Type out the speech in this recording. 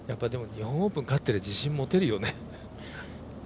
日本オープン勝ってれば自信持てるよね。